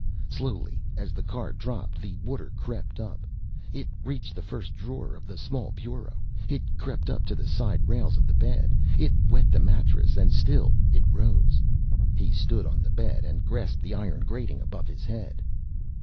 Slowly, as the car dropped, the water crept up. It reached the first drawer of the small bureau. It crept up to the side rails of the bed. It wet the mattress and still it rose. He stood on the bed and grasped the iron grating above his head.